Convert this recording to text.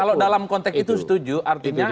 kalau dalam konteks itu setuju artinya